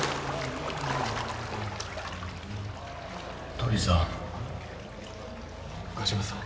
鳥居さん。